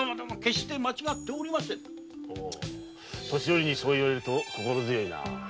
年寄りにそう言われると心強いな。